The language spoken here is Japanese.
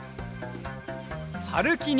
はるきに